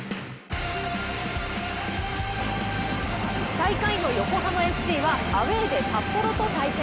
最下位の横浜ＦＣはアウェーで札幌と対戦。